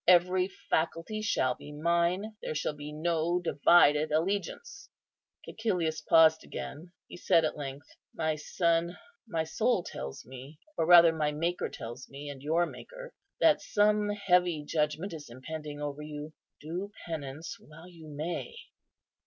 Every faculty shall be mine; there shall be no divided allegiance." Cæcilius paused again; he said at length, "My son, my soul tells me, or rather my Maker tells me, and your Maker, that some heavy judgment is impending over you. Do penance while you may."